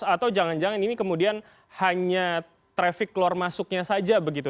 atau jangan jangan ini kemudian hanya trafik keluar masuknya saja begitu